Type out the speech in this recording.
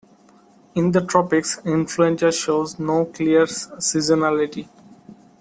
In the tropics, influenza shows no clear seasonality.